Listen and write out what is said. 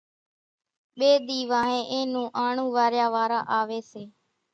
ٻيَ ۮِي وانۿين اين نون آنڻون واريا واران آويَ سي۔